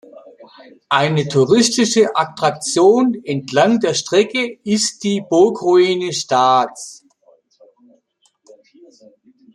Eine touristische Attraktion entlang der Strecke ist die Burgruine Staatz.